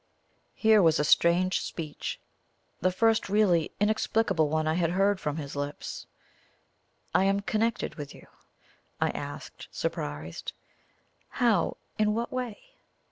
Here was a strange speech the first really inexplicable one I had heard from his lips. "I am connected with you?" I asked, surprised. "How? In what way?"